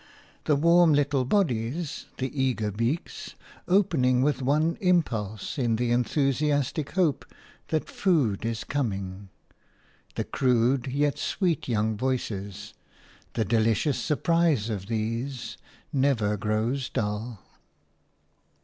The warm little bodies, the eager beaks, opening with one impulse in the enthusiastic hope that food is coming, the crude, yet sweet young voices – the delicious surprise of these never grows dull.